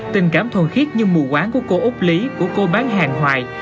tình cảm thuần khiết như mù quán của cô ốc lý của cô bán hàng hoài